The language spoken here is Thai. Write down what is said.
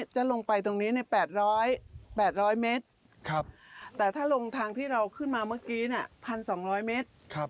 จะลงไปตรงนี้๘๐๐๘๐๐เมตรแต่ถ้าลงทางที่เราขึ้นมาเมื่อกี้๑๒๐๐เมตร